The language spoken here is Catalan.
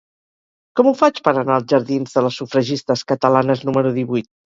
Com ho faig per anar als jardins de les Sufragistes Catalanes número divuit?